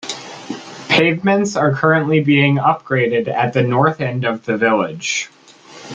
Pavements are currently being upgraded at the north end of the village.